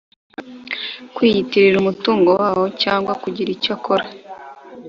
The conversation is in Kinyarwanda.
kwiyitirira umutungo wawo cyangwa kugira icyo akora